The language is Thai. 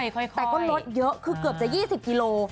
แต่ก็ลดเยอะคือเกือบจะ๒๐กิโล